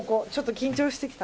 緊張してきた。